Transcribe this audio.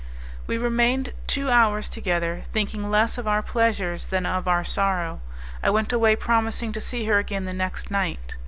We remained two hours together, thinking less of our pleasures than of our sorrow; I went away promising to see her again the next night.